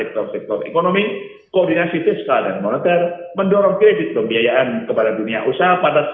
untuk mendorong konstitusi masyarakat dalam rencana kredit perbankan dan investasi bilateral dengan negara utama khususnya di kawasan asia